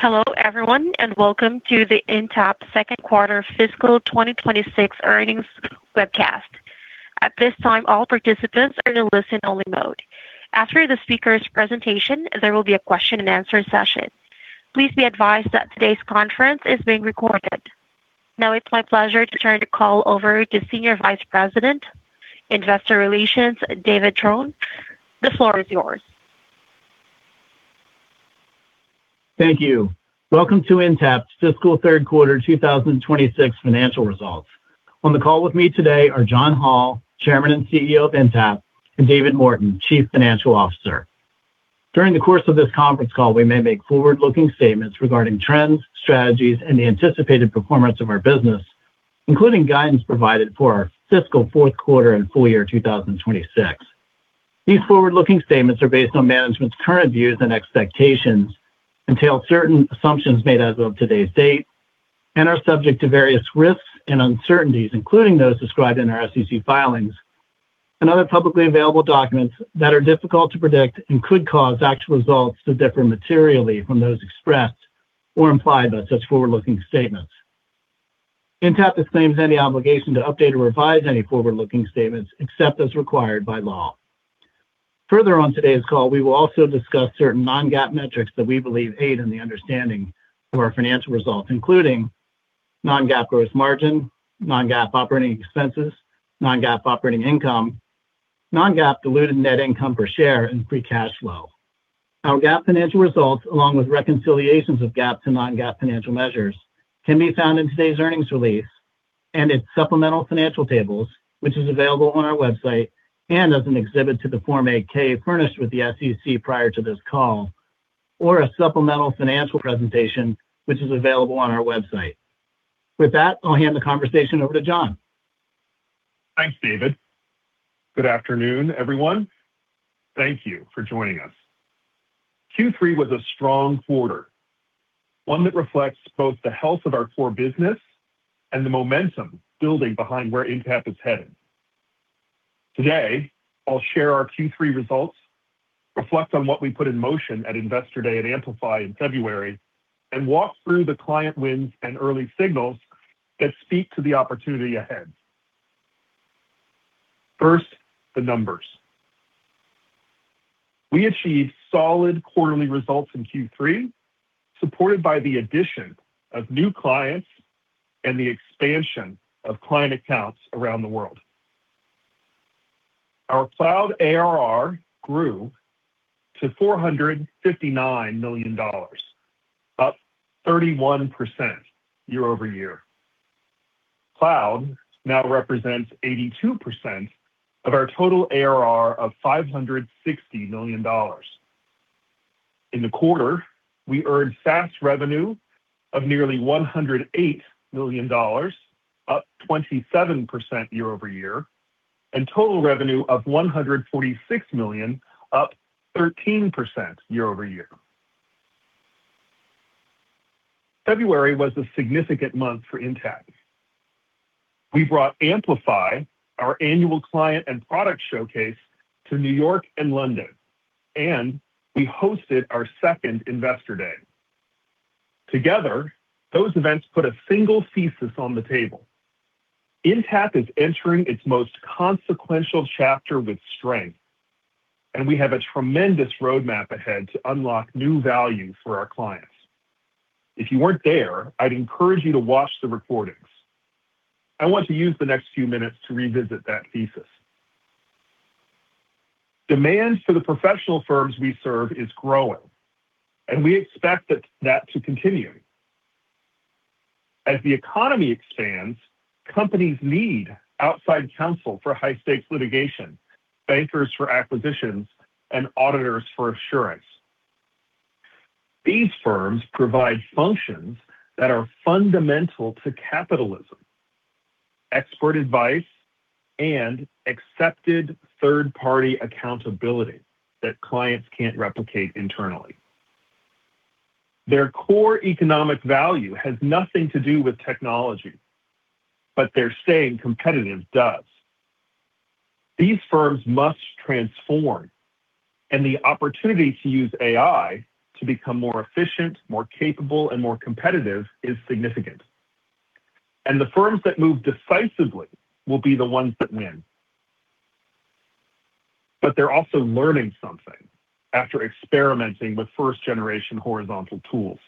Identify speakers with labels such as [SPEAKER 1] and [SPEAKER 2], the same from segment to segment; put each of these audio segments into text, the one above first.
[SPEAKER 1] Hello, everyone, and welcome to the Intapp 2nd quarter fiscal 2026 earnings webcast. At this time, all participants are in a listen-only mode. After the speaker's presentation, there will be a question and answer session. Please be advised that today's conference is being recorded. Now it's my pleasure to turn the call over to Senior Vice President, Investor Relations, David Trone. The floor is yours.
[SPEAKER 2] Thank you. Welcome to Intapp's fiscal 3rd quarter 2026 financial results. On the call with me today are John Hall, Chairman and CEO of Intapp, and David Morton, Chief Financial Officer. During the course of this conference call, we may make forward-looking statements regarding trends, strategies, and the anticipated performance of our business, including guidance provided for our fiscal 4th quarter and full year 2026. These forward-looking statements are based on management's current views and expectations, entail certain assumptions made as of today's date, and are subject to various risks and uncertainties, including those described in our SEC filings and other publicly available documents that are difficult to predict and could cause actual results to differ materially from those expressed or implied by such forward-looking statements. Intapp disclaims any obligation to update or revise any forward-looking statements except as required by law. Further on today's call, we will also discuss certain non-GAAP metrics that we believe aid in the understanding of our financial results, including non-GAAP gross margin, non-GAAP operating expenses, non-GAAP operating income, non-GAAP diluted net income per share, and free cash flow. Our GAAP financial results, along with reconciliations of GAAP to non-GAAP financial measures, can be found in today's earnings release and its supplemental financial tables, which is available on our website and as an exhibit to the Form 8-K furnished with the SEC prior to this call, or a supplemental financial presentation, which is available on our website. With that, I'll hand the conversation over to John.
[SPEAKER 3] Thanks, David. Good afternoon, everyone. Thank you for joining us. Q3 was a strong quarter, one that reflects both the health of our core business and the momentum building behind where Intapp is headed. Today, I'll share our Q3 results, reflect on what we put in motion at Investor Day at Amplify in February, and walk through the client wins and early signals that speak to the opportunity ahead. First, the numbers. We achieved solid quarterly results in Q3, supported by the addition of new clients and the expansion of client accounts around the world. Our Cloud ARR grew to $459 million, up 31% year-over-year. Cloud now represents 82% of our total ARR of $560 million. In the quarter, we earned SaaS revenue of nearly $108 million, up 27% year-over-year, and total revenue of $146 million, up 13% year-over-year. February was a significant month for Intapp. We brought Amplify, our annual client and product showcase, to New York and London, and we hosted our second Investor Day. Together, those events put a single thesis on the table. Intapp is entering its most consequential chapter with strength, and we have a tremendous roadmap ahead to unlock new value for our clients. If you weren't there, I'd encourage you to watch the recordings. I want to use the next few minutes to revisit that thesis. Demand for the professional firms we serve is growing, and we expect that to continue. As the economy expands, companies need outside counsel for high-stakes litigation, bankers for acquisitions, and auditors for assurance. These firms provide functions that are fundamental to capitalism, expert advice, and accepted third-party accountability that clients can't replicate internally. Their core economic value has nothing to do with technology, but their staying competitive does. These firms must transform. The opportunity to use AI to become more efficient, more capable, and more competitive is significant. The firms that move decisively will be the ones that win. They're also learning something after experimenting with first-generation horizontal tools.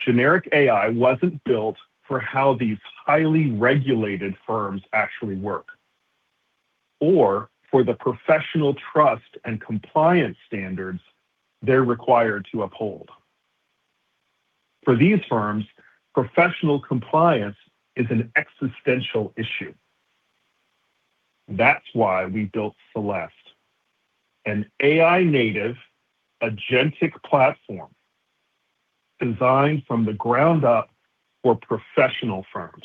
[SPEAKER 3] Generic AI wasn't built for how these highly regulated firms actually work or for the professional trust and compliance standards they're required to uphold. For these firms, professional compliance is an existential issue. That's why we built Celeste, an AI-native agentic platform designed from the ground up for professional firms.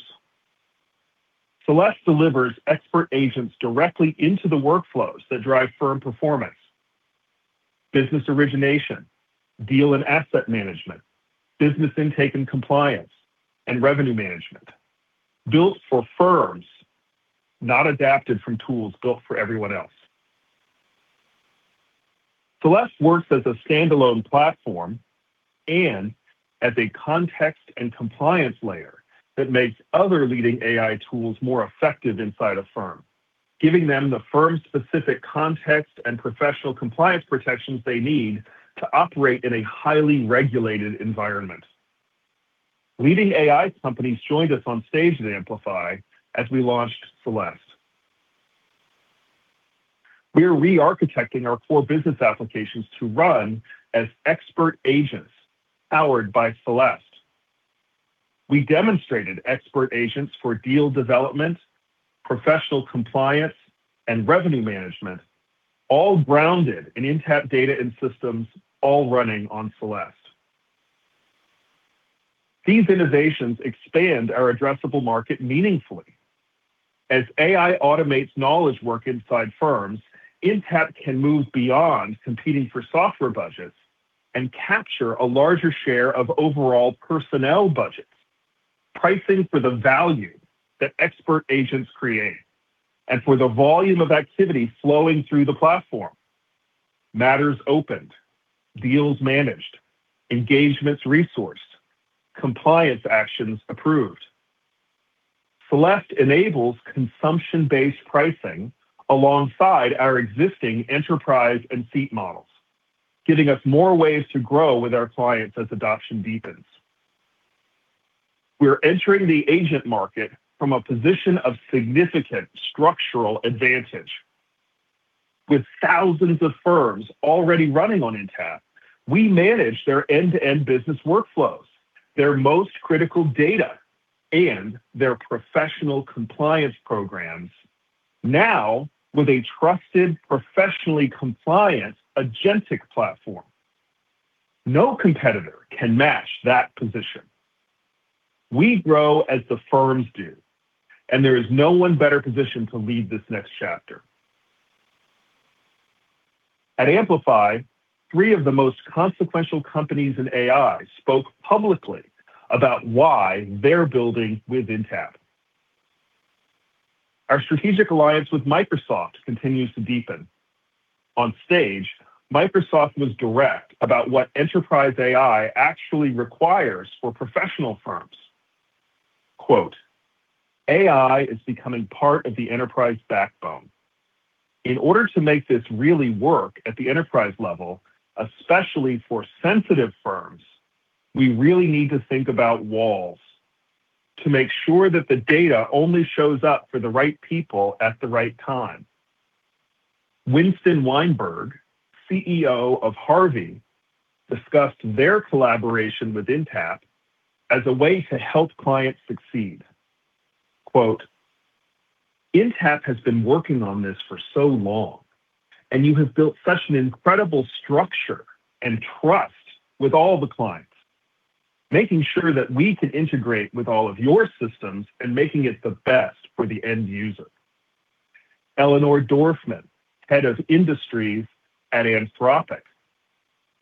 [SPEAKER 3] Celeste delivers expert agents directly into the workflows that drive firm performance, business origination, deal and asset management, business intake and compliance, and revenue management. Built for firms, not adapted from tools built for everyone else. Celeste works as a standalone platform and as a context and compliance layer that makes other leading AI tools more effective inside a firm, giving them the firm specific context and professional compliance protections they need to operate in a highly regulated environment. Leading AI companies joined us on stage at Amplify as we launched Celeste. We are re-architecting our core business applications to run as expert agents powered by Celeste. We demonstrated expert agents for deal development, professional compliance, and revenue management, all grounded in Intapp data and systems, all running on Celeste. These innovations expand our addressable market meaningfully. As AI automates knowledge work inside firms, Intapp can move beyond competing for software budgets and capture a larger share of overall personnel budgets, pricing for the value that expert agents create and for the volume of activity flowing through the platform. Matters opened, deals managed, engagements resourced, compliance actions approved. Celeste enables consumption-based pricing alongside our existing enterprise and seat models, giving us more ways to grow with our clients as adoption deepens. We're entering the agent market from a position of significant structural advantage. With thousands of firms already running on Intapp, we manage their end-to-end business workflows, their most critical data, and their professional compliance programs now with a trusted, professionally compliant agentic platform. No competitor can match that position. We grow as the firms do, and there is no one better positioned to lead this next chapter. At Amplify, three of the most consequential companies in AI spoke publicly about why they're building with Intapp. Our strategic alliance with Microsoft continues to deepen. On stage, Microsoft was direct about what enterprise AI actually requires for professional firms. Quote, "AI is becoming part of the enterprise backbone. In order to make this really work at the enterprise level, especially for sensitive firms, we really need to think about walls to make sure that the data only shows up for the right people at the right time." Winston Weinberg, CEO of Harvey, discussed their collaboration with Intapp as a way to help clients succeed. Quote, "Intapp has been working on this for so long, and you have built such an incredible structure and trust with all the clients, making sure that we can integrate with all of your systems and making it the best for the end user." Eleanor Dorfman, Head of Industries at Anthropic,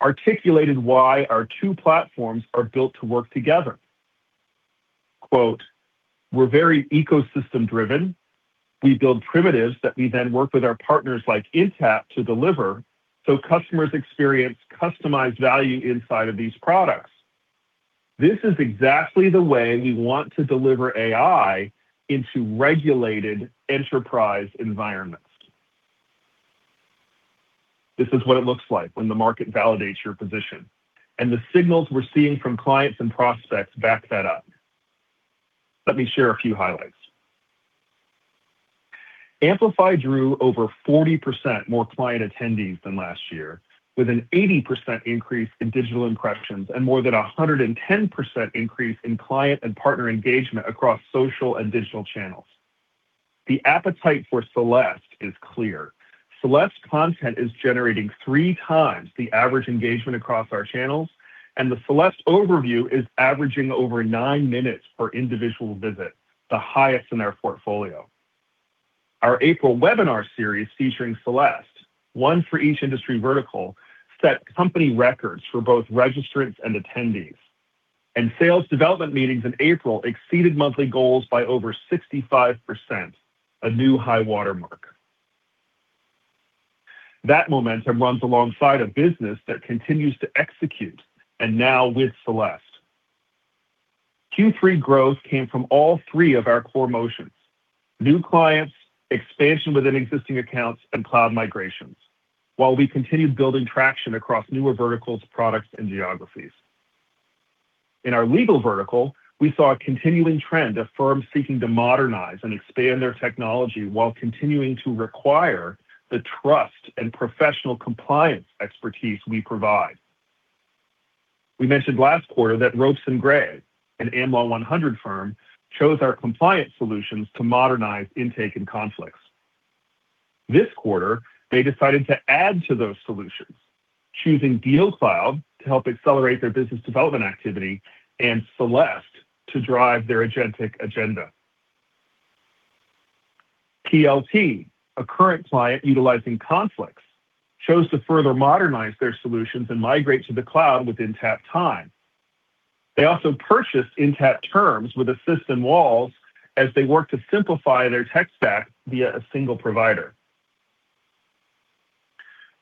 [SPEAKER 3] articulated why our two platforms are built to work together. Quote, "We're very ecosystem driven. We build primitives that we then work with our partners like Intapp to deliver so customers experience customized value inside of these products. This is exactly the way we want to deliver AI into regulated enterprise environments." This is what it looks like when the market validates your position, and the signals we're seeing from clients and prospects back that up. Let me share a few highlights. Amplify drew over 40% more client attendees than last year with an 80% increase in digital impressions and more than a 110% increase in client and partner engagement across social and digital channels. The appetite for Celeste is clear. Celeste content is generating 3x the average engagement across our channels, and the Celeste overview is averaging over nine minutes per individual visit, the highest in our portfolio. Our April webinar series featuring Celeste, one for each industry vertical, set company records for both registrants and attendees. Sales development meetings in April exceeded monthly goals by over 65%, a new high watermark. That momentum runs alongside a business that continues to execute and now with Celeste. Q3 growth came from all three of our core motions: new clients, expansion within existing accounts, and cloud migrations while we continued building traction across newer verticals, products, and geographies. In our legal vertical, we saw a continuing trend of firms seeking to modernize and expand their technology while continuing to require the trust and professional compliance expertise we provide. We mentioned last quarter that Ropes & Gray, an Am Law 100 firm, chose our compliance solutions to modernize intake and conflicts. This quarter, they decided to add to those solutions, choosing DealCloud to help accelerate their business development activity and Celeste to drive their agentic agenda. PLT, a current client utilizing conflicts, chose to further modernize their solutions and migrate to the cloud with Intapp Time. They also purchased Intapp Terms with Assist and Walls as they work to simplify their tech stack via a single provider.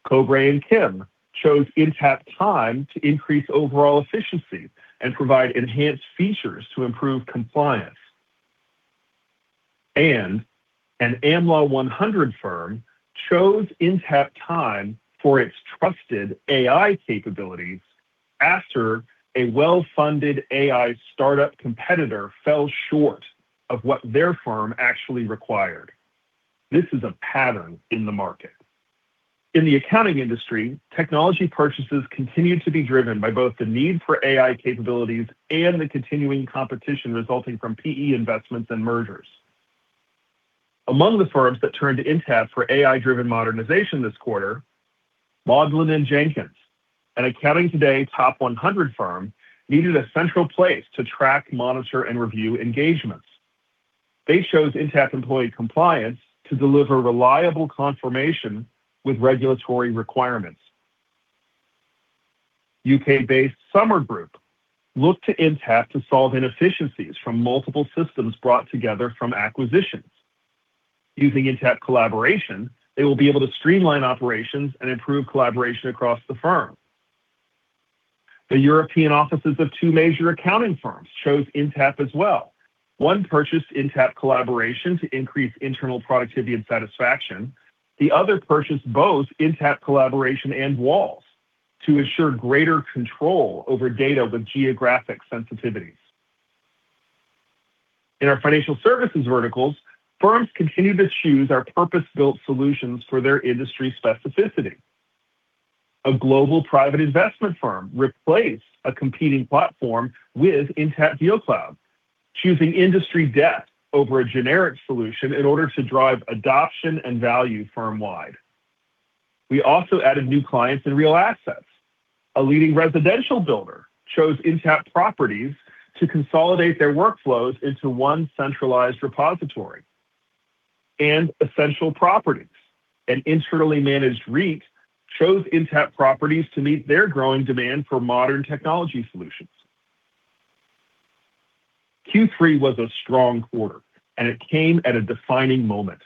[SPEAKER 3] Kobre & Kim chose Intapp Time to increase overall efficiency and provide enhanced features to improve compliance. An Am Law 100 firm chose Intapp Time for its trusted AI capabilities after a well-funded AI startup competitor fell short of what their firm actually required. This is a pattern in the market. In the accounting industry, technology purchases continue to be driven by both the need for AI capabilities and the continuing competition resulting from PE investments and mergers. Among the firms that turned to Intapp for AI-driven modernization this quarter, Mauldin & Jenkins, an Accounting Today Top 100 firm, needed a central place to track, monitor, and review engagements. They chose Intapp Employee Compliance to deliver reliable confirmation with regulatory requirements. U.K.-based Sumer Group looked to Intapp to solve inefficiencies from multiple systems brought together from acquisitions. Using Intapp Collaboration, they will be able to streamline operations and improve collaboration across the firm. The European offices of two major accounting firms chose Intapp as well. One purchased Intapp Collaboration to increase internal productivity and satisfaction. The other purchased both Intapp Collaboration and Walls to assure greater control over data with geographic sensitivities. In our financial services verticals, firms continue to choose our purpose-built solutions for their industry specificity. A global private investment firm replaced a competing platform with Intapp DealCloud, choosing industry depth over a generic solution in order to drive adoption and value firm-wide. We also added new clients and real assets. A leading residential builder chose Intapp Properties to consolidate their workflows into one centralized repository. Essential Properties, an internally managed REIT, chose Intapp Properties to meet their growing demand for modern technology solutions. Q3 was a strong quarter, and it came at a defining moment.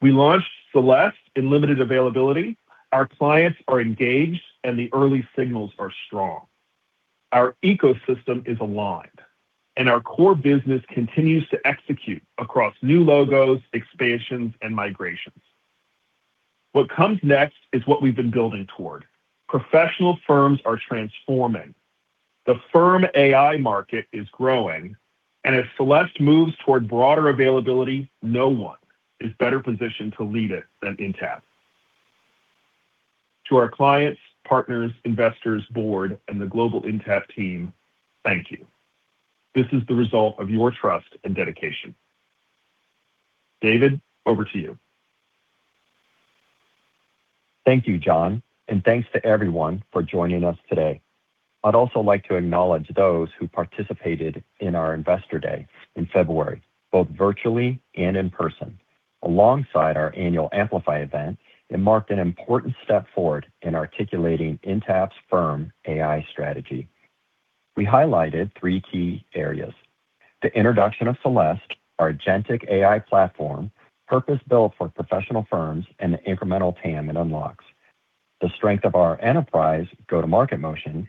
[SPEAKER 3] We launched Celeste in limited availability. Our clients are engaged, and the early signals are strong. Our ecosystem is aligned, and our core business continues to execute across new logos, expansions, and migrations. What comes next is what we've been building toward. Professional firms are transforming. The firm AI market is growing, and as Celeste moves toward broader availability, no one is better positioned to lead it than Intapp. To our clients, partners, investors, board, and the global Intapp team, thank you. This is the result of your trust and dedication. David, over to you.
[SPEAKER 4] Thank you, John, and thanks to everyone for joining us today. I'd also like to acknowledge those who participated in our Investor Day in February, both virtually and in person. Alongside our annual Amplify event, it marked an important step forward in articulating Intapp's firm AI strategy. We highlighted three key areas: the introduction of Celeste, our agentic AI platform, purpose-built for professional firms, and the incremental TAM it unlocks, the strength of our enterprise go-to-market motion,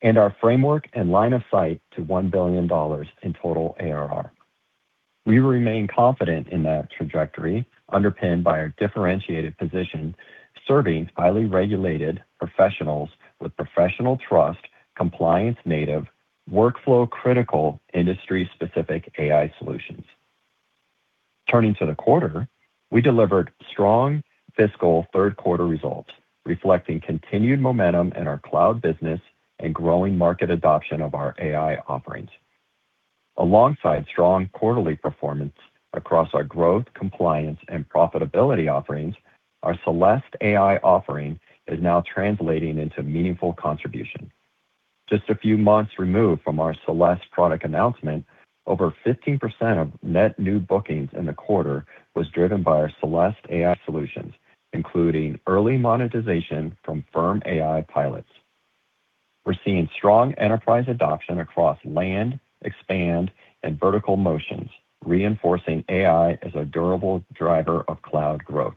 [SPEAKER 4] and our framework and line of sight to $1 billion in total ARR. We remain confident in that trajectory, underpinned by our differentiated position, serving highly regulated professionals with professional trust, compliance-native, workflow-critical, industry-specific AI solutions. Turning to the quarter, we delivered strong fiscal 3rd quarter results, reflecting continued momentum in our cloud business and growing market adoption of our AI offerings. Alongside strong quarterly performance across our growth, compliance, and profitability offerings, our Celeste AI offering is now translating into meaningful contribution. Just a few months removed from our Celeste product announcement, over 15% of net new bookings in the quarter was driven by our Celeste AI solutions, including early monetization from firm AI pilots. We're seeing strong enterprise adoption across land, expand, and vertical motions, reinforcing AI as a durable driver of cloud growth.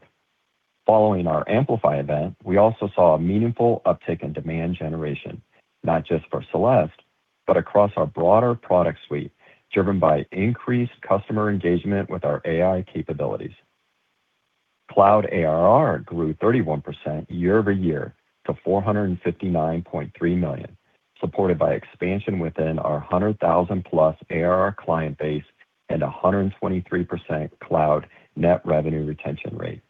[SPEAKER 4] Following our Amplify event, we also saw a meaningful uptick in demand generation, not just for Celeste, but across our broader product suite, driven by increased customer engagement with our AI capabilities. Cloud ARR grew 31% year-over-year to $459.3 million, supported by expansion within our 100,000+ ARR client base and a 123% cloud net revenue retention rate.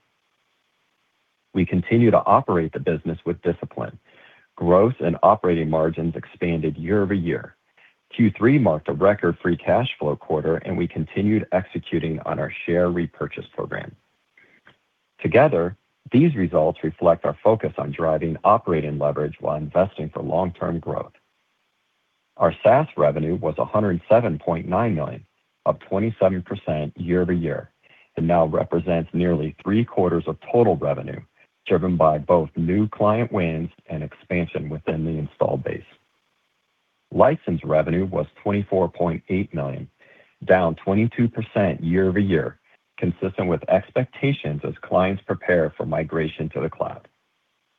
[SPEAKER 4] We continue to operate the business with discipline. Growth and operating margins expanded year-over-year. Q3 marked a record free cash flow quarter, and we continued executing on our share repurchase program. Together, these results reflect our focus on driving operating leverage while investing for long-term growth. Our SaaS revenue was $107.9 million, up 27% year-over-year. It now represents nearly three quarters of total revenue, driven by both new client wins and expansion within the installed base. License revenue was $24.8 million, down 22% year-over-year, consistent with expectations as clients prepare for migration to the cloud.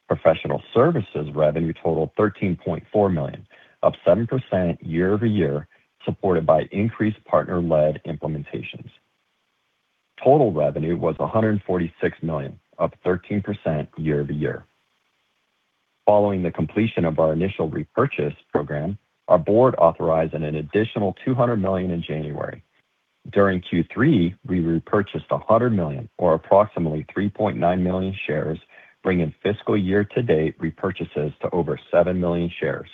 [SPEAKER 4] Professional services revenue totaled $13.4 million, up 7% year-over-year, supported by increased partner-led implementations. Total revenue was $146 million, up 13% year-over-year. Following the completion of our initial repurchase program, our board authorized an additional $200 million in January. During Q3, we repurchased $100 million or approximately 3.9 million shares, bringing fiscal year-to-date repurchases to over 7 million shares.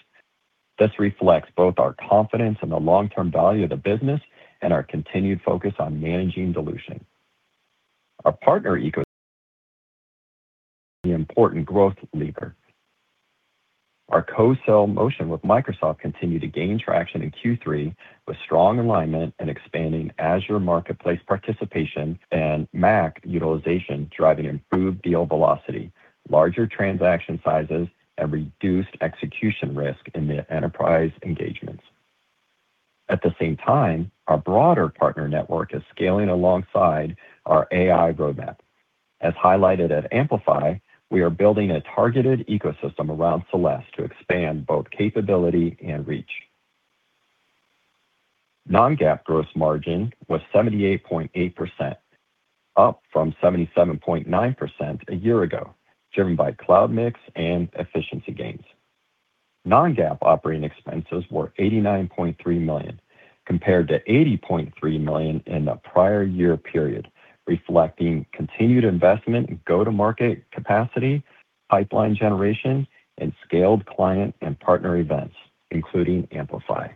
[SPEAKER 4] This reflects both our confidence in the long-term value of the business and our continued focus on managing dilution. Our partner the important growth lever. Our co-sell motion with Microsoft continued to gain traction in Q3 with strong alignment and expanding Azure marketplace participation and MACC utilization driving improved deal velocity, larger transaction sizes, and reduced execution risk in the enterprise engagements. At the same time, our broader partner network is scaling alongside our AI roadmap. As highlighted at Amplify, we are building a targeted ecosystem around Celeste to expand both capability and reach. Non-GAAP gross margin was 78.8%, up from 77.9% a year ago, driven by cloud mix and efficiency gains. Non-GAAP operating expenses were $89.3 million, compared to $80.3 million in the prior year period, reflecting continued investment in go-to-market capacity, pipeline generation, and scaled client and partner events, including Amplify.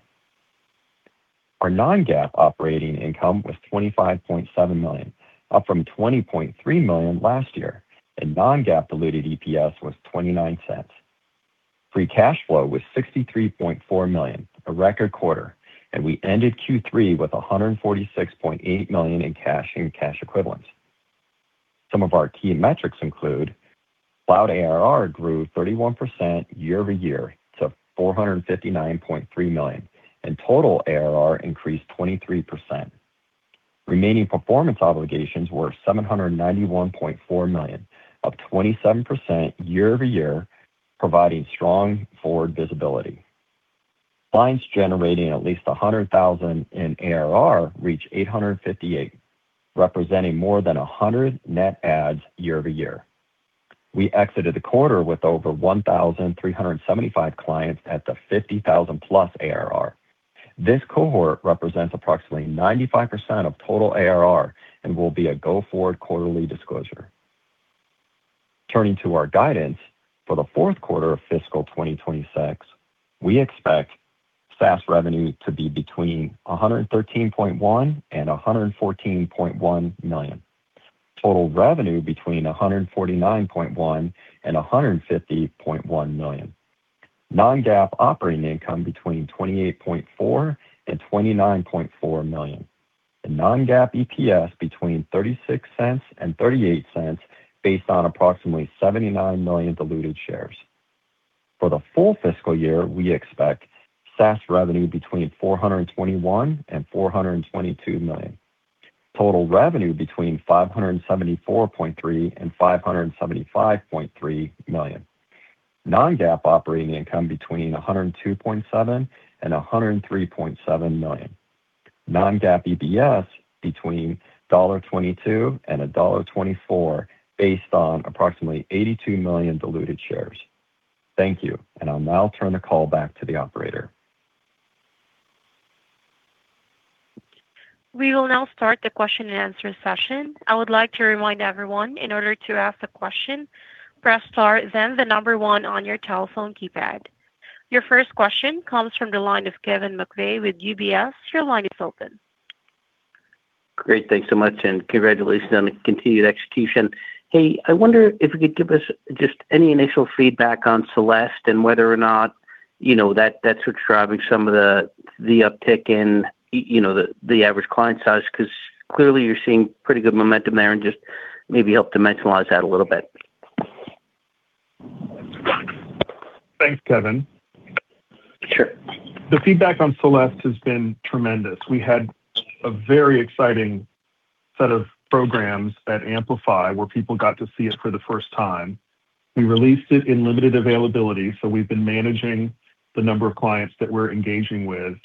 [SPEAKER 4] Our non-GAAP operating income was $25.7 million, up from $20.3 million last year, and non-GAAP diluted EPS was $0.29. Free cash flow was $63.4 million, a record quarter, and we ended Q3 with $146.8 million in cash and cash equivalents. Some of our key metrics include Cloud ARR grew 31% year-over-year to $459.3 million, and total ARR increased 23%. Remaining performance obligations were $791.4 million, up 27% year-over-year, providing strong forward visibility. Clients generating at least $100,000 in ARR reached 858, representing more than 100 net adds year-over-year. We exited the quarter with over 1,375 clients at the $50,000+ ARR. This cohort represents approximately 95% of total ARR and will be a go-forward quarterly disclosure. Turning to our guidance, for the fourth quarter of fiscal 2026, we expect SaaS revenue to be between $113.1 million and $114.1 million, total revenue between $149.1 million and $150.1 million, non-GAAP operating income between $28.4 million and $29.4 million, and non-GAAP EPS between $0.36 and $0.38 based on approximately 79 million diluted shares. For the full fiscal year, we expect SaaS revenue between $421 million and $422 million, total revenue between $574.3 million and $575.3 million, non-GAAP operating income between $102.7 million and $103.7 million, non-GAAP EPS between $1.22 and $1.24 based on approximately 82 million diluted shares. Thank you. I'll now turn the call back to the operator.
[SPEAKER 1] We will now start the question and answer session. I would like to remind everyone, in order to ask a question, press star then the number one on your telephone keypad. Your first question comes from the line of Kevin McVeigh with UBS. Your line is open.
[SPEAKER 5] Great. Thanks so much, and congratulations on the continued execution. Hey, I wonder if you could give us just any initial feedback on Celeste and whether or not, you know, that's what's driving some of the uptick in, you know, the average client size? 'Cause clearly you're seeing pretty good momentum there, and just maybe help dimensionalize that a little bit.
[SPEAKER 3] Thanks, Kevin.
[SPEAKER 5] Sure.
[SPEAKER 3] The feedback on Celeste has been tremendous. We had a very exciting set of programs at Amplify, where people got to see us for the first time. We released it in limited availability, so we've been managing the number of clients that we're engaging with.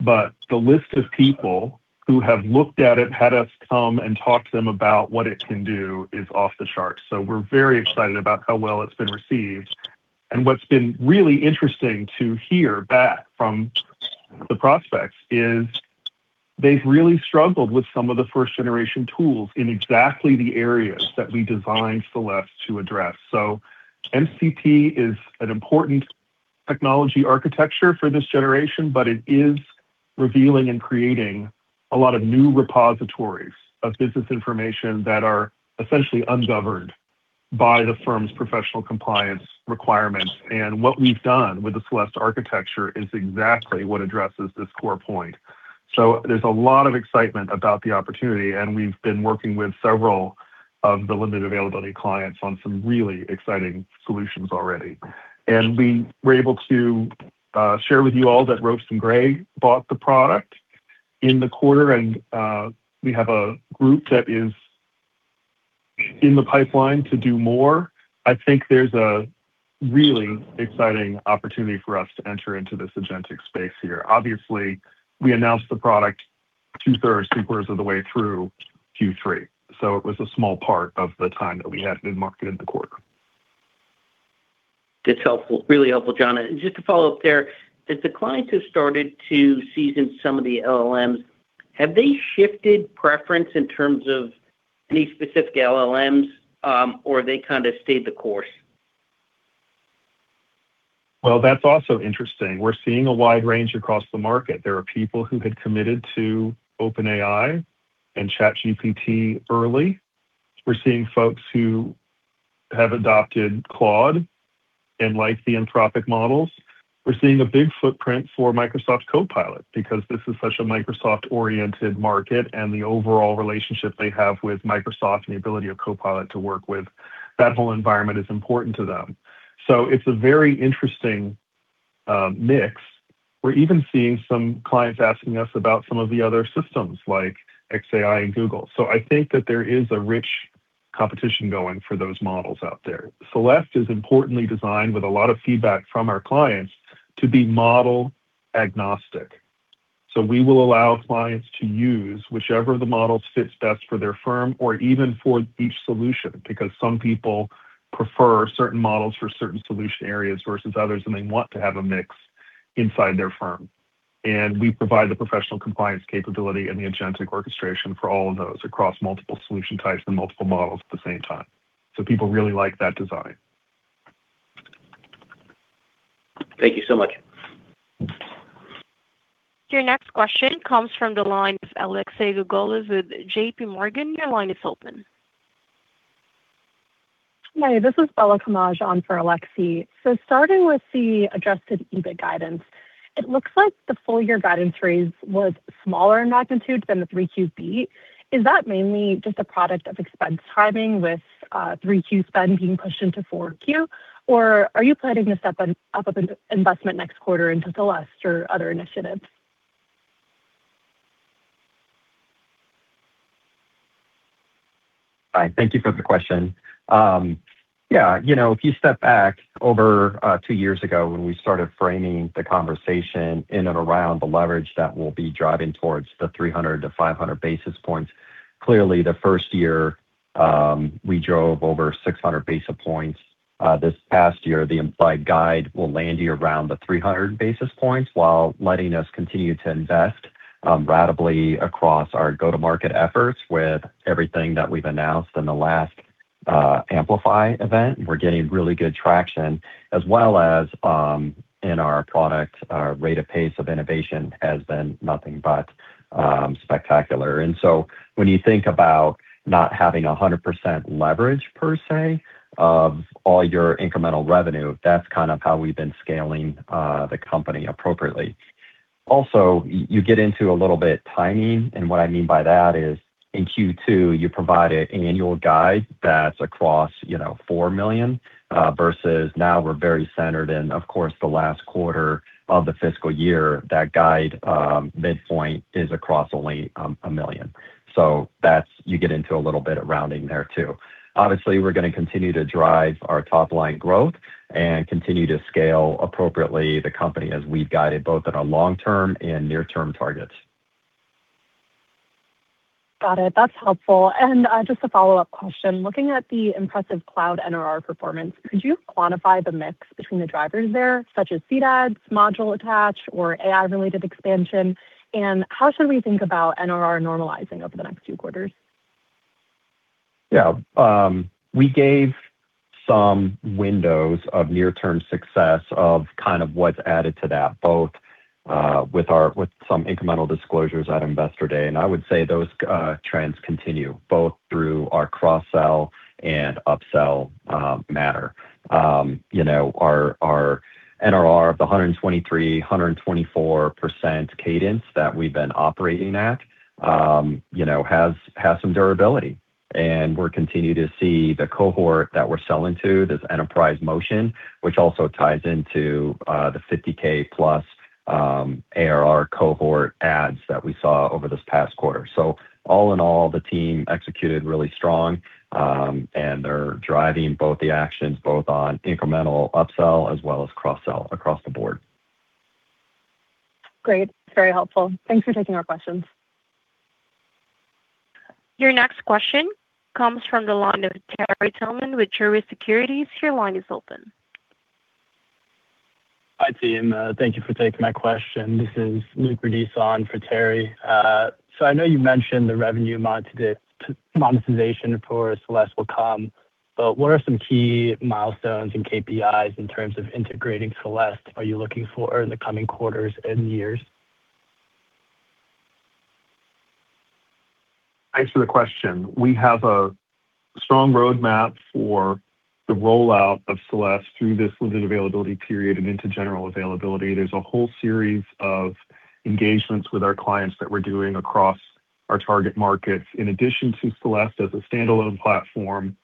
[SPEAKER 3] The list of people who have looked at it, had us come and talk to them about what it can do is off the charts. We're very excited about how well it's been received. What's been really interesting to hear back from the prospects is they've really struggled with some of the first-generation tools in exactly the areas that we designed Celeste to address. MCP is an important technology architecture for this generation, but it is revealing and creating a lot of new repositories of business information that are essentially ungoverned by the firm's professional compliance requirements. What we've done with the Celeste architecture is exactly what addresses this core point. There's a lot of excitement about the opportunity, and we've been working with several of the limited availability clients on some really exciting solutions already. We were able to share with you all that Ropes & Gray bought the product in the quarter. We have a group that is in the pipeline to do more. I think there's a really exciting opportunity for us to enter into this agentic space here. Obviously, we announced the product 2/3, 3/4 of the way through Q3. It was a small part of the time that we had been marketed in the quarter.
[SPEAKER 5] That's helpful. Really helpful, John. Just to follow up there, as the clients have started to season some of the LLMs, have they shifted preference in terms of any specific LLMs, or they kinda stayed the course?
[SPEAKER 3] That's also interesting. We're seeing a wide range across the market. There are people who had committed to OpenAI and ChatGPT early. We're seeing folks who have adopted Claude and like the Anthropic models. We're seeing a big footprint for Microsoft's Copilot because this is such a Microsoft-oriented market, and the overall relationship they have with Microsoft and the ability of Copilot to work with that whole environment is important to them. It's a very interesting mix. We're even seeing some clients asking us about some of the other systems like xAI and Google. I think that there is a rich competition going for those models out there. Celeste is importantly designed with a lot of feedback from our clients to be model-agnostic. We will allow clients to use whichever of the models fits best for their firm or even for each solution, because some people prefer certain models for certain solution areas versus others, and they want to have a mix inside their firm. We provide the professional compliance capability and the agentic orchestration for all of those across multiple solution types and multiple models at the same time. People really like that design.
[SPEAKER 5] Thank you so much.
[SPEAKER 1] Your next question comes from the line of Alexei Gogolev with JPMorgan. Your line is open.
[SPEAKER 6] Hi, this is Bella Camaj on for Alexei. Starting with the adjusted EBIT guidance, it looks like the full-year guidance raise was smaller in magnitude than the 3Q beat. Is that mainly just a product of expense timing with 3Q spend being pushed into 4Q? Or are you planning to step up an investment next quarter into Celeste or other initiatives?
[SPEAKER 4] Hi, thank you for the question. Yeah, you know, if you step back over two years ago when we started framing the conversation in and around the leverage that we'll be driving towards the 300 basis points-500 basis points, clearly the first year, we drove over 600 basis points. This past year, the implied guide will land you around the 300 basis points while letting us continue to invest ratably across our go-to-market efforts with everything that we've announced in the last Amplify event. We're getting really good traction, as well as, in our product, our rate of pace of innovation has been nothing but spectacular. When you think about not having a 100% leverage per se of all your incremental revenue, that's kind of how we've been scaling the company appropriately. You get into a little bit timing, and what I mean by that is in Q2, you provide an annual guide that's across, you know, $4 million versus now we're very centered in, of course, the last quarter of the fiscal year. That guide, midpoint is across only $1 million. You get into a little bit of rounding there too. Obviously, we're gonna continue to drive our top-line growth and continue to scale appropriately the company as we've guided both in our long-term and near-term targets.
[SPEAKER 6] Got it. That's helpful. Just a follow-up question. Looking at the impressive Cloud NRR performance, could you quantify the mix between the drivers there, such as CDD, module attach, or AI-related expansion? How should we think about NRR normalizing over the next two quarters?
[SPEAKER 4] Yeah. We gave some windows of near-term success of kind of what's added to that, both with some incremental disclosures at Investor Day. I would say those trends continue both through our cross-sell and up-sell matter. You know, our NRR of the 123%, 124% cadence that we've been operating at, you know, has some durability. We're continuing to see the cohort that we're selling to, this enterprise motion, which also ties into the 50,000+ ARR cohort ads that we saw over this past quarter. All in all, the team executed really strong, and they're driving both the actions, both on incremental up-sell as well as cross-sell across the board.
[SPEAKER 6] Great. Very helpful. Thanks for taking our questions.
[SPEAKER 1] Your next question comes from the line of Terry Tillman with Truist Securities. Your line is open.
[SPEAKER 7] Hi, team. Thank you for taking my question. This is Luke Radissian for Terry. I know you mentioned the revenue monetization for Celeste will come, what are some key milestones and KPIs in terms of integrating Celeste are you looking for in the coming quarters and years?
[SPEAKER 3] Thanks for the question. We have a strong roadmap for the rollout of Celeste through this limited availability period and into general availability. There's a whole series of engagements with our clients that we're doing across our target markets. In addition to Celeste as a standalone platform,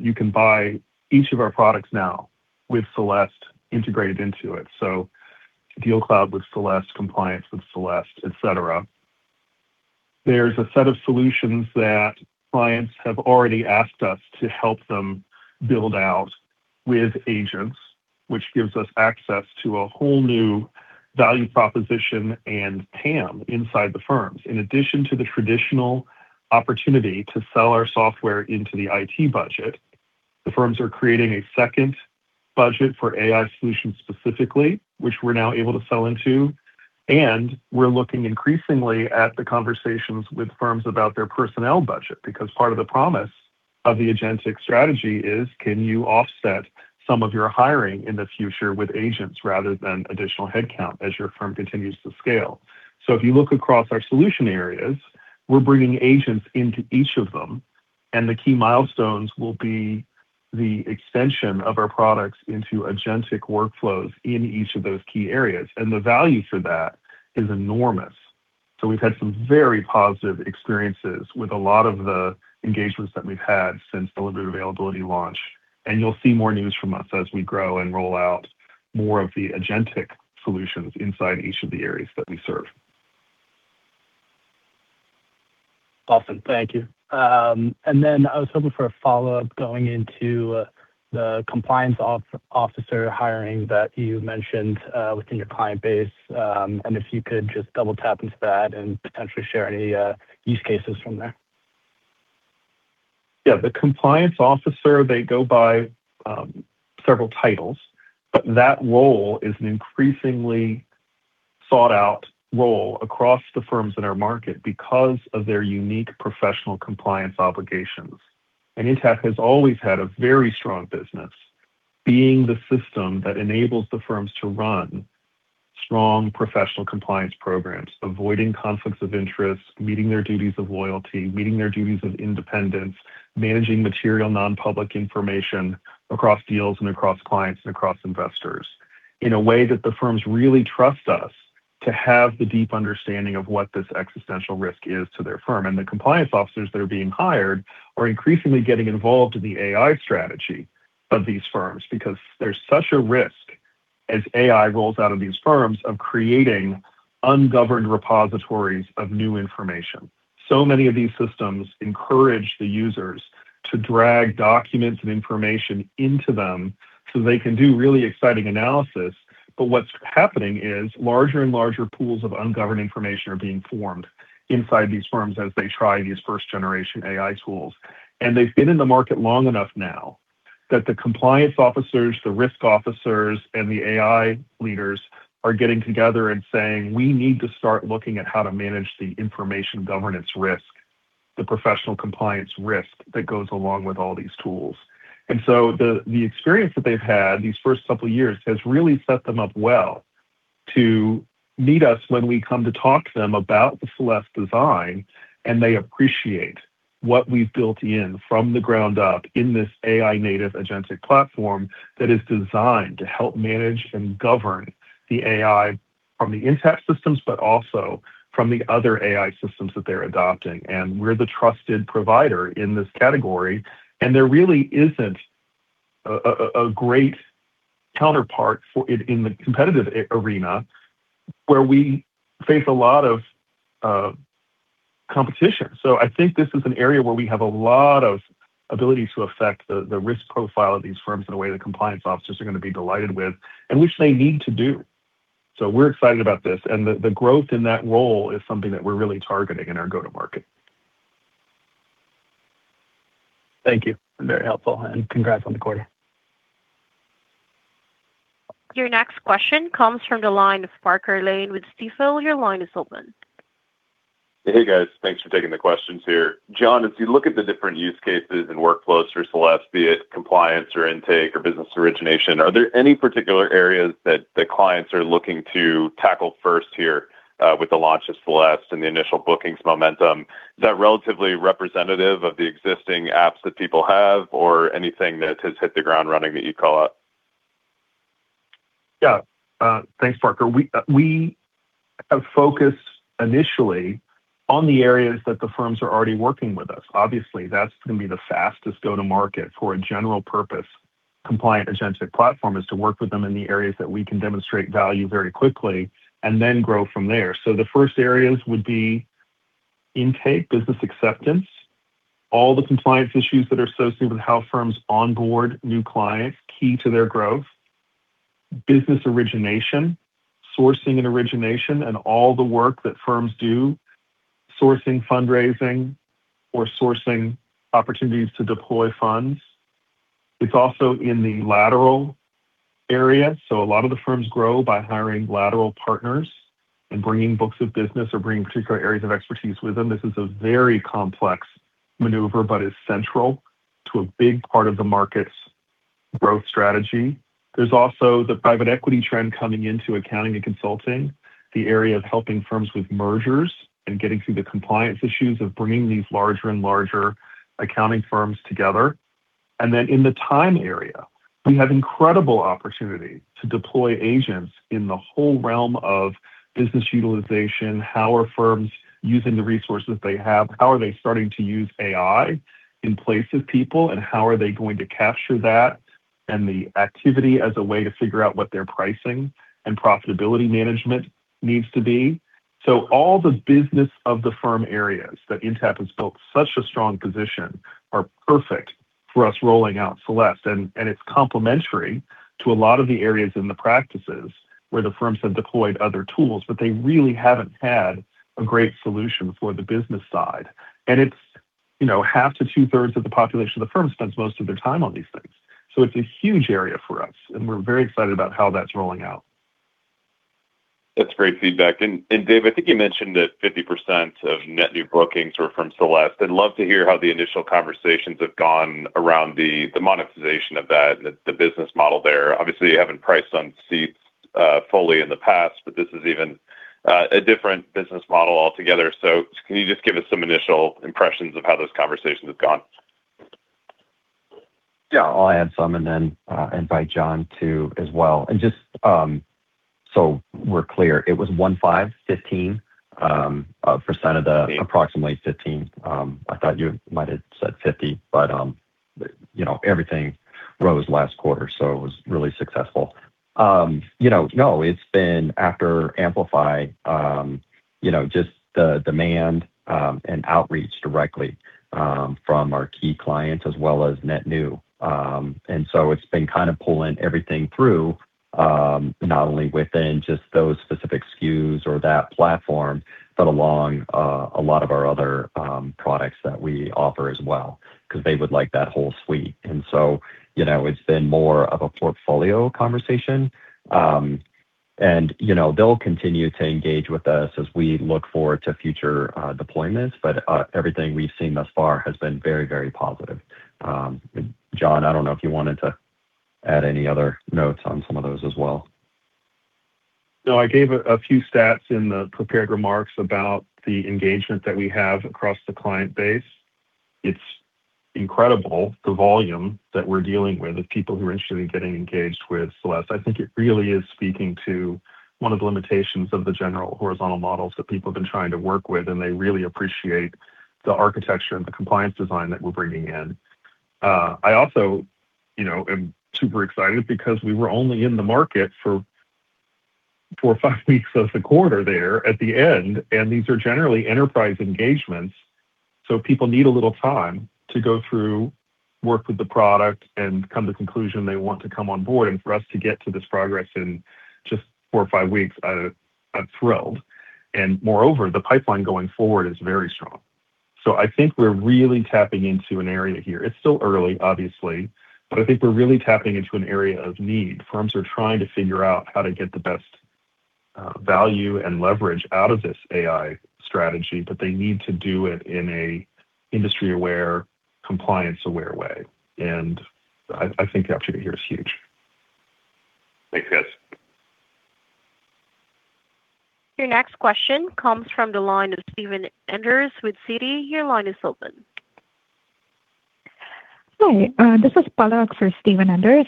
[SPEAKER 3] you can buy each of our products now with Celeste integrated into it. DealCloud with Celeste, Compliance with Celeste, et cetera. There's a set of solutions that clients have already asked us to help them build out with agents, which gives us access to a whole new value proposition and TAM inside the firms. In addition to the traditional opportunity to sell our software into the IT budget, the firms are creating a second budget for AI solutions specifically, which we're now able to sell into. We're looking increasingly at the conversations with firms about their personnel budget, because part of the promise of the agentic strategy is can you offset some of your hiring in the future with agents rather than additional headcount as your firm continues to scale? If you look across our solution areas, we're bringing agents into each of them, and the key milestones will be the extension of our products into agentic workflows in each of those key areas. The value for that is enormous. We've had some very positive experiences with a lot of the engagements that we've had since the limited availability launch. You'll see more news from us as we grow and roll out more of the agentic solutions inside each of the areas that we serve.
[SPEAKER 7] Awesome. Thank you. I was hoping for a follow-up going into the compliance officer hiring that you mentioned within your client base. If you could just double tap into that and potentially share any use cases from there.
[SPEAKER 3] Yeah. The compliance officer, they go by several titles, but that role is an increasingly sought out role across the firms in our market because of their unique professional compliance obligations. Intapp has always had a very strong business being the system that enables the firms to run strong professional compliance programs, avoiding conflicts of interest, meeting their duties of loyalty, meeting their duties of independence, managing material non-public information across deals and across clients and across investors in a way that the firms really trust us to have the deep understanding of what this existential risk is to their firm. The compliance officers that are being hired are increasingly getting involved in the AI strategy of these firms because there's such a risk as AI rolls out of these firms of creating ungoverned repositories of new information. Many of these systems encourage the users to drag documents and information into them so they can do really exciting analysis. What's happening is larger and larger pools of ungoverned information are being formed inside these firms as they try these first generation AI tools. They've been in the market long enough now that the compliance officers, the risk officers, and the AI leaders are getting together and saying, "We need to start looking at how to manage the information governance risk, the professional compliance risk that goes along with all these tools." The experience that they've had these first couple of years has really set them up well to meet us when we come to talk to them about the Celeste design, and they appreciate what we've built in from the ground up in this AI native agentic platform that is designed to help manage and govern the AI from the Intapp systems, but also from the other AI systems that they're adopting. We're the trusted provider in this category, and there really isn't a great counterpart for it in the competitive arena where we face a lot of competition. I think this is an area where we have a lot of ability to affect the risk profile of these firms in a way the compliance officers are gonna be delighted with, and which they need to do. We're excited about this, and the growth in that role is something that we're really targeting in our go-to-market.
[SPEAKER 7] Thank you. Very helpful. Congrats on the quarter.
[SPEAKER 1] Your next question comes from the line of Parker Lane with Stifel. Your line is open.
[SPEAKER 8] Hey, guys. Thanks for taking the questions here. John, as you look at the different use cases and workflows for Celeste, be it compliance or intake or business origination, are there any particular areas that the clients are looking to tackle first here, with the launch of Celeste and the initial bookings momentum? Is that relatively representative of the existing apps that people have or anything that has hit the ground running that you'd call out?
[SPEAKER 3] Yeah. Thanks, Parker. We have focused initially on the areas that the firms are already working with us. Obviously, that's gonna be the fastest go-to-market for a general purpose compliant agentic platform is to work with them in the areas that we can demonstrate value very quickly and then grow from there. The first areas would be intake, business acceptance, all the compliance issues that are associated with how firms onboard new clients, key to their growth, business origination, sourcing and origination, and all the work that firms do sourcing fundraising or sourcing opportunities to deploy funds. It's also in the lateral area. A lot of the firms grow by hiring lateral partners and bringing books of business or bringing particular areas of expertise with them. This is a very complex maneuver, but is central to a big part of the market's growth strategy. There's also the private equity trend coming into accounting and consulting, the area of helping firms with mergers and getting through the compliance issues of bringing these larger and larger accounting firms together. Then in the time area, we have incredible opportunity to deploy agents in the whole realm of business utilization. How are firms using the resources they have? How are they starting to use AI in place of people, and how are they going to capture that and the activity as a way to figure out what their pricing and profitability management needs to be? All the business of the firm areas that Intapp has built such a strong position are perfect for us rolling out Celeste. It's complementary to a lot of the areas in the practices where the firms have deployed other tools, but they really haven't had a great solution for the business side. It's, you know, 1/2 to 2/3 of the population of the firm spends most of their time on these things. It's a huge area for us, and we're very excited about how that's rolling out.
[SPEAKER 8] That's great feedback. David, I think you mentioned that 50% of net new bookings were from Celeste. I'd love to hear how the initial conversations have gone around the monetization of that and the business model there. Obviously, you haven't priced on seats fully in the past, but this is even a different business model altogether. Can you just give us some initial impressions of how those conversations have gone?
[SPEAKER 4] Yeah. I'll add some and then invite John to as well. Just, so we're clear, it was 15% of the approximately 15%. I thought you might have said 50%, but, you know, everything rose last quarter, so it was really successful. You know, no, it's been after Amplify, you know, just the demand and outreach directly from our key clients as well as net new. It's been kind of pulling everything through, not only within just those specific SKUs or that platform, but along a lot of our other products that we offer as well, 'cause they would like that whole suite. You know, it's been more of a portfolio conversation. You know, they'll continue to engage with us as we look forward to future deployments. Everything we've seen thus far has been very, very positive. John, I don't know if you wanted to add any other notes on some of those as well.
[SPEAKER 3] No. I gave a few stats in the prepared remarks about the engagement that we have across the client base. It's incredible the volume that we're dealing with of people who are interested in getting engaged with Celeste. I think it really is speaking to one of the limitations of the general horizontal models that people have been trying to work with, and they really appreciate the architecture and the compliance design that we're bringing in. I also, you know, am super excited because we were only in the market for four or five weeks of the quarter there at the end, and these are generally enterprise engagements, so people need a little time to go through, work with the product, and come to conclusion they want to come on board. For us to get to this progress in just four or five weeks, I'm thrilled. Moreover, the pipeline going forward is very strong. I think we're really tapping into an area here. It's still early, obviously, but I think we're really tapping into an area of need. Firms are trying to figure out how to get the best value and leverage out of this AI strategy, but they need to do it in a industry-aware, compliance-aware way. I think the opportunity here is huge.
[SPEAKER 8] Thanks, guys.
[SPEAKER 1] Your next question comes from the line of Steven Enders with Citi.
[SPEAKER 9] Hi. This is Palak for Steven Enders.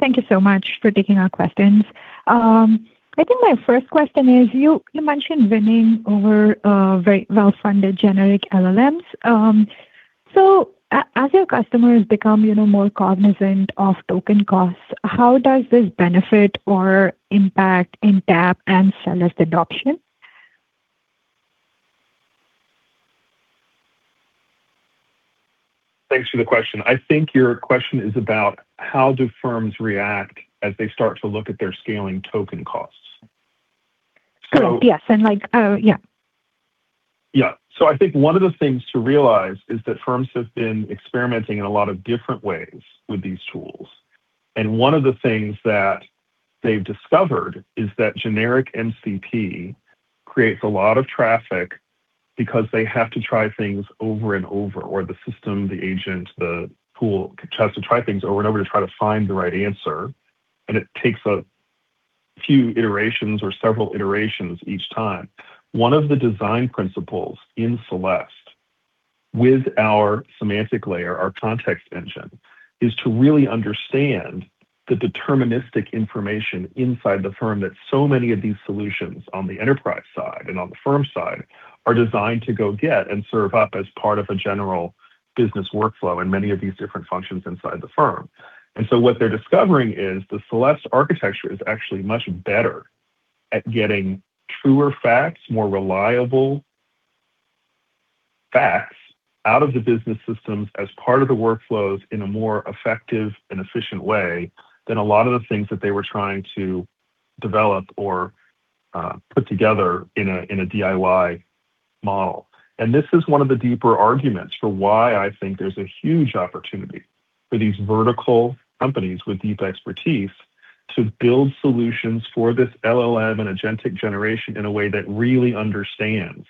[SPEAKER 9] Thank you so much for taking our questions. I think my first question is you mentioned winning over very well-funded generic LLMs. As your customers become, you know, more cognizant of token costs, how does this benefit or impact Intapp and Celeste adoption?
[SPEAKER 3] Thanks for the question. I think your question is about how do firms react as they start to look at their scaling token costs.
[SPEAKER 9] Correct. Yes.
[SPEAKER 3] I think one of the things to realize is that firms have been experimenting in a lot of different ways with these tools. One of the things that they've discovered is that generic MCP creates a lot of traffic because they have to try things over and over, or the system, the agent, the tool has to try things over and over to try to find the right answer, and it takes a few iterations or several iterations each time. One of the design principles in Celeste with our semantic layer, our context engine, is to really understand the deterministic information inside the firm that so many of these solutions on the enterprise side and on the firm side are designed to go get and serve up as part of a general business workflow in many of these different functions inside the firm. What they're discovering is the Celeste architecture is actually much better at getting truer facts, more reliable facts out of the business systems as part of the workflows in a more effective and efficient way than a lot of the things that they were trying to develop or put together in a DIY model. This is one of the deeper arguments for why I think there's a huge opportunity for these vertical companies with deep expertise to build solutions for this LLM and agentic generation in a way that really understands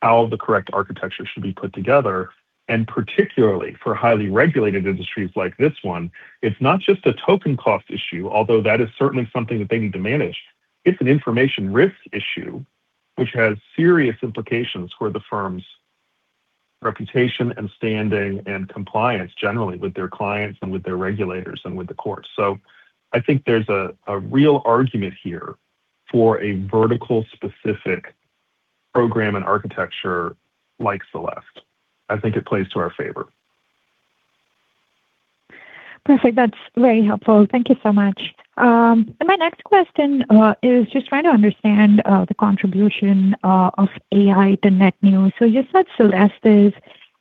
[SPEAKER 3] how the correct architecture should be put together, and particularly for highly regulated industries like this one, it's not just a token cost issue, although that is certainly something that they need to manage. It's an information risk issue which has serious implications for the firm's reputation and standing and compliance generally with their clients and with their regulators and with the courts. I think there's a real argument here for a vertical specific program and architecture like Celeste. I think it plays to our favor.
[SPEAKER 9] Perfect. That's very helpful. Thank you so much. My next question is just trying to understand the contribution of AI to net new. You said Celeste is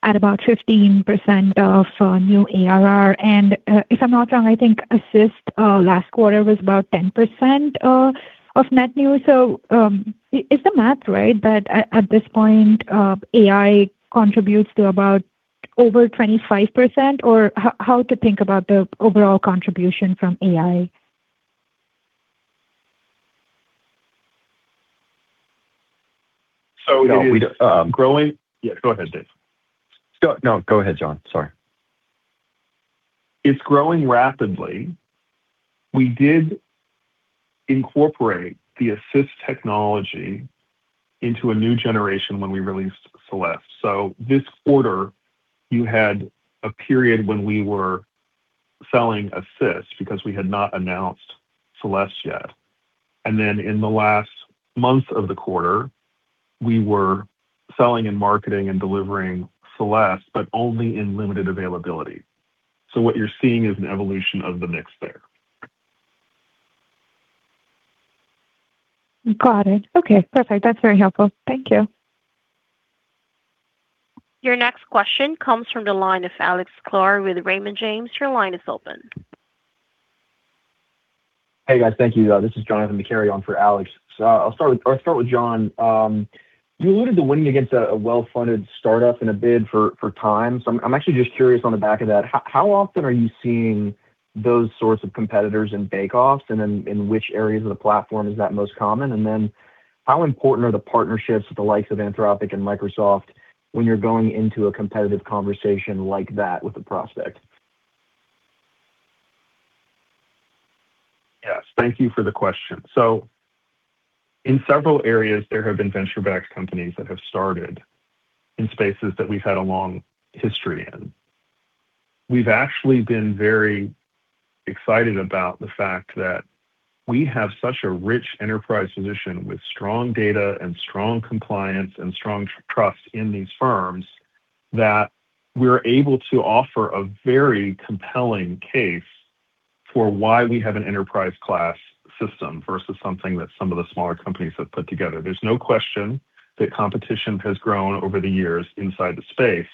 [SPEAKER 9] at about 15% of new ARR, and if I'm not wrong, I think Assist last quarter was about 10% of net new. Is the math right that at this point AI contributes to about over 25%? Or how to think about the overall contribution from AI?
[SPEAKER 3] So it is-
[SPEAKER 4] No, we don't.
[SPEAKER 3] -growing Yeah, go ahead, Dave.
[SPEAKER 4] No, go ahead, John. Sorry.
[SPEAKER 3] It's growing rapidly. We did incorporate the Assist technology into a new generation when we released Celeste. This quarter, you had a period when we were selling Assist because we had not announced Celeste yet. In the last month of the quarter, we were selling and marketing and delivering Celeste, but only in limited availability. What you're seeing is an evolution of the mix there.
[SPEAKER 9] Got it. Okay, perfect. That's very helpful. Thank you.
[SPEAKER 1] Your next question comes from the line of Alex Sklar with Raymond James. Your line is open.
[SPEAKER 10] Hey, guys. Thank you. This is Johnathan McCary on for Alex. I'll start with John. You alluded to winning against a well-funded startup in a bid for time. I'm actually just curious on the back of that, how often are you seeing those sorts of competitors in bake-offs, and then in which areas of the platform is that most common? How important are the partnerships with the likes of Anthropic and Microsoft when you're going into a competitive conversation like that with a prospect?
[SPEAKER 3] Thank you for the question. In several areas, there have been venture-backed companies that have started in spaces that we've had a long history in. We've actually been very excited about the fact that we have such a rich enterprise position with strong data and strong compliance and strong trust in these firms, that we're able to offer a very compelling case for why we have an enterprise class system versus something that some of the smaller companies have put together. There's no question that competition has grown over the years inside the space,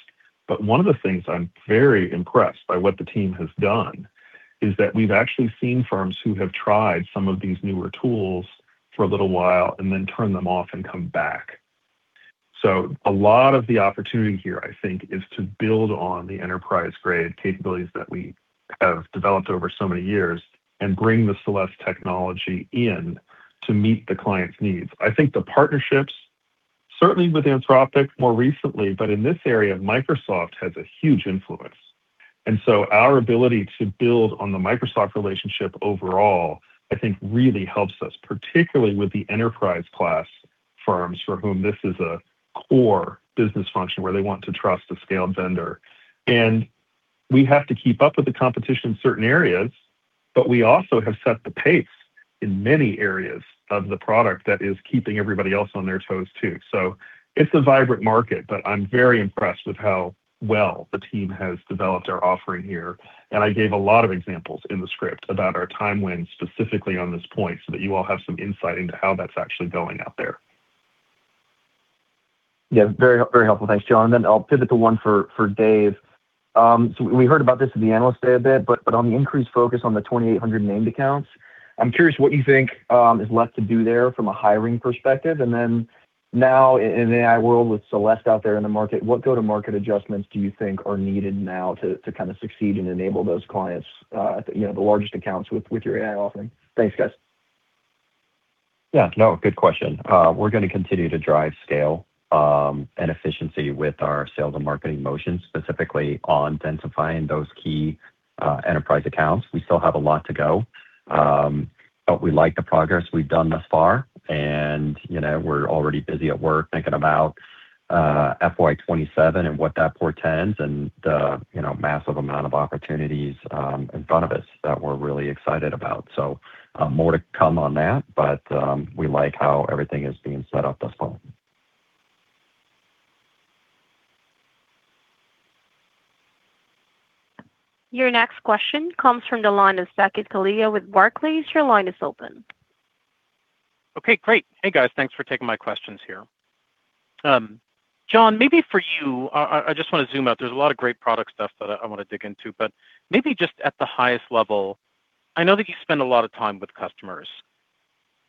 [SPEAKER 3] but one of the things I'm very impressed by what the team has done is that we've actually seen firms who have tried some of these newer tools for a little while and then turn them off and come back. A lot of the opportunity here, I think, is to build on the enterprise-grade capabilities that we have developed over so many years and bring the Celeste technology in to meet the client's needs. I think the partnerships, certainly with Anthropic more recently, but in this area, Microsoft has a huge influence. Our ability to build on the Microsoft relationship overall, I think really helps us, particularly with the enterprise class firms for whom this is a core business function where they want to trust a scaled vendor. We have to keep up with the competition in certain areas, but we also have set the pace in many areas of the product that is keeping everybody else on their toes too. It's a vibrant market, but I'm very impressed with how well the team has developed our offering here. I gave a lot of examples in the script about our time win specifically on this point so that you all have some insight into how that's actually going out there.
[SPEAKER 10] Yeah, very, very helpful. Thanks, John. I'll pivot to one for David Morton. We heard about this at the Investor Day a bit, but on the increased focus on the 2,800 named accounts, I'm curious what you think is left to do there from a hiring perspective. Now in AI world with Celeste out there in the market, what go-to-market adjustments do you think are needed now to kind of succeed and enable those clients, you know, the largest accounts with your AI offering? Thanks, guys.
[SPEAKER 4] Yeah, no, good question. We're gonna continue to drive scale and efficiency with our sales and marketing motions, specifically on densifying those key enterprise accounts. We still have a lot to go, but we like the progress we've done thus far. You know, we're already busy at work thinking about FY 2027 and what that portends and the, you know, massive amount of opportunities in front of us that we're really excited about. More to come on that, but we like how everything is being set up thus far.
[SPEAKER 1] Your next question comes from the line of Saket Kalia with Barclays.
[SPEAKER 11] Okay, great. Hey, guys. Thanks for taking my questions here. John, maybe for you, I just wanna zoom out. There's a lot of great product stuff that I wanna dig into. Maybe just at the highest level, I know that you spend a lot of time with customers.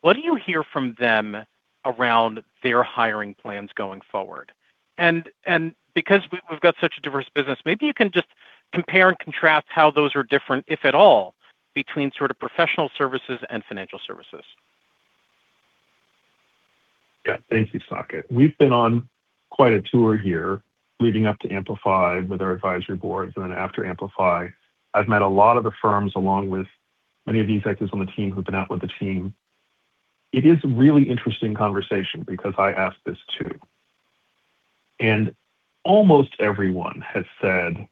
[SPEAKER 11] What do you hear from them around their hiring plans going forward? Because we've got such a diverse business, maybe you can just compare and contrast how those are different, if at all, between sort of professional services and financial services.
[SPEAKER 3] Yeah. Thank you, Saket. We've been on quite a tour here leading up to Amplify with our advisory boards, and then after Amplify, I've met a lot of the firms along with many of the executives on the team who've been out with the team. It is really interesting conversation because I ask this too, and almost everyone has said,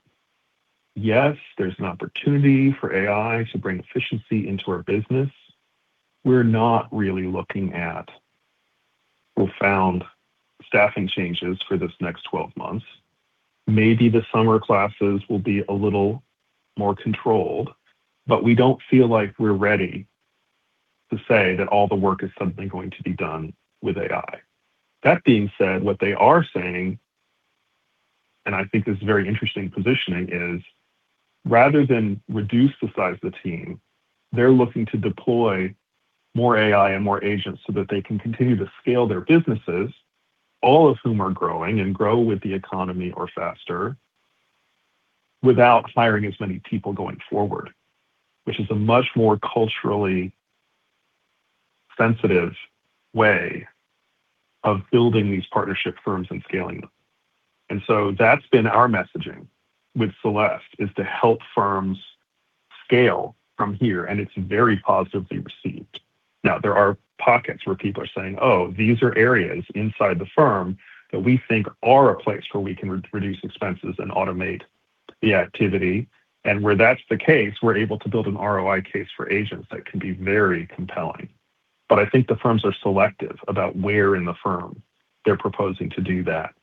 [SPEAKER 3] "Yes, there's an opportunity for AI to bring efficiency into our business. We're not really looking at profound staffing changes for this next 12 months. Maybe the summer classes will be a little more controlled, but we don't feel like we're ready to say that all the work is suddenly going to be done with AI. That being said, what they are saying, and I think this is very interesting positioning, is rather than reduce the size of the team, they're looking to deploy more AI and more agents so that they can continue to scale their businesses, all of whom are growing and grow with the economy or faster, without firing as many people going forward, which is a much more culturally sensitive way of building these partnership firms and scaling them. That's been our messaging with Celeste, is to help firms scale from here, and it's very positively received. There are pockets where people are saying, "Oh, these are areas inside the firm that we think are a place where we can re-reduce expenses and automate the activity." Where that's the case, we're able to build an ROI case for agents that can be very compelling. I think the firms are selective about where in the firm they're proposing to do that.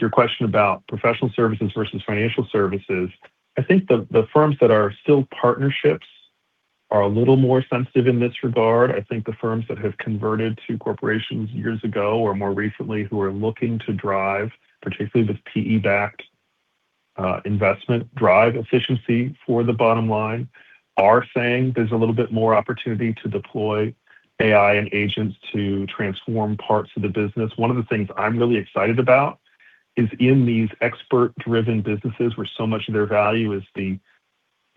[SPEAKER 3] Your question about professional services versus financial services, I think the firms that are still partnerships are a little more sensitive in this regard. The firms that have converted to corporations years ago or more recently who are looking to drive, particularly the PE-backed investment drive efficiency for the bottom line, are saying there's a little bit more opportunity to deploy AI and agents to transform parts of the business. One of the things I'm really excited about is in these expert-driven businesses where so much of their value is the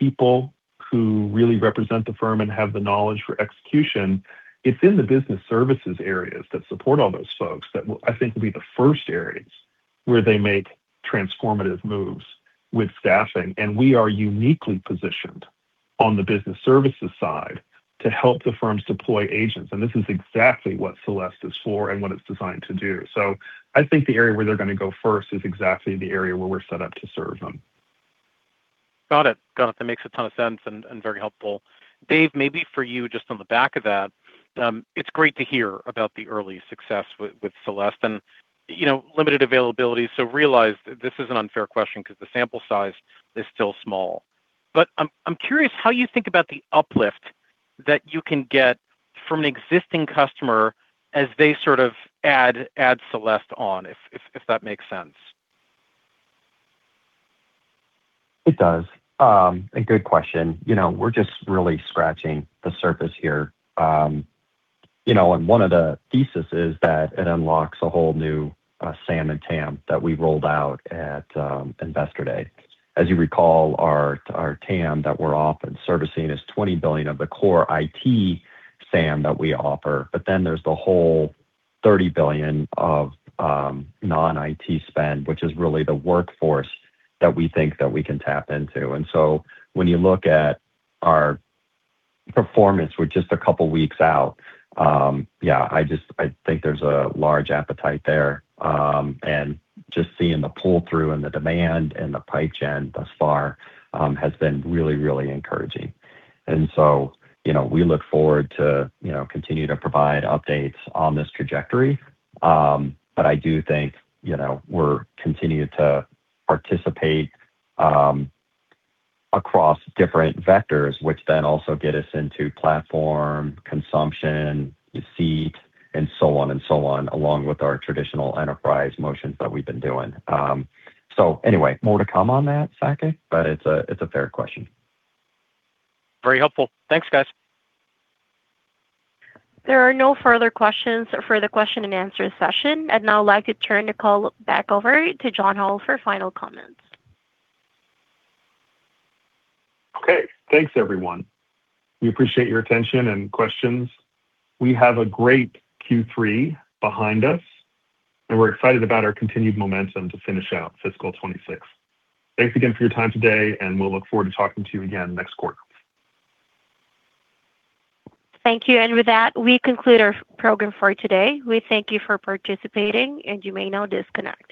[SPEAKER 3] people who really represent the firm and have the knowledge for execution, it's in the business services areas that support all those folks that will, I think, will be the first areas where they make transformative moves with staffing. We are uniquely positioned on the business services side to help the firms deploy agents, and this is exactly what Celeste is for and what it's designed to do. I think the area where they're gonna go first is exactly the area where we're set up to serve them.
[SPEAKER 11] Got it. Got it. That makes a ton of sense and very helpful. Dave, maybe for you just on the back of that, it's great to hear about the early success with Celeste and, you know, limited availability, so realize this is an unfair question 'cause the sample size is still small. I'm curious how you think about the uplift that you can get from an existing customer as they sort of add Celeste on, if that makes sense.
[SPEAKER 4] It does. A good question. You know, we're just really scratching the surface here. You know, one of the thesis is that it unlocks a whole new SAM and TAM that we rolled out at Investor Day. As you recall, our TAM that we're often servicing is $20 billion of the core IT SAM that we offer, but then there's the whole $30 billion of non-IT spend, which is really the workforce that we think that we can tap into. When you look at our performance, we're just a couple weeks out. Yeah, I think there's a large appetite there. Just seeing the pull-through and the demand and the pipe gen thus far, has been really encouraging. You know, we look forward to, you know, continue to provide updates on this trajectory. I do think, you know, we're continuing to participate, across different vectors, which then also get us into platform, consumption, seat, and so on and so on, along with our traditional enterprise motions that we've been doing. Anyway, more to come on that, Saket, but it's a, it's a fair question.
[SPEAKER 11] Very helpful. Thanks, guys.
[SPEAKER 1] There are no further questions for the question and answer session. I'd now like to turn the call back over to John Hall for final comments.
[SPEAKER 3] Thanks, everyone. We appreciate your attention and questions. We have a great Q3 behind us, and we're excited about our continued momentum to finish out fiscal 2026. Thanks again for your time today, and we'll look forward to talking to you again next quarter.
[SPEAKER 1] Thank you. With that, we conclude our program for today. We thank you for participating, and you may now disconnect.